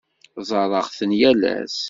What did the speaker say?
Ẓerreɣ-ten yal ass.